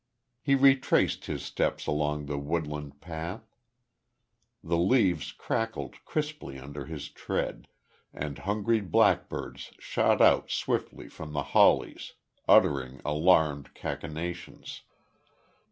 He retraced his steps along the woodland path. The leaves crackled crisply under his tread, and hungry blackbirds shot out swiftly from the hollies, uttering alarmed cachinnations.